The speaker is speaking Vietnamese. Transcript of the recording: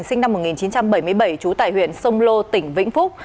sinh năm một nghìn chín trăm bảy mươi bảy trú tại huyện sông lô tỉnh vĩnh phúc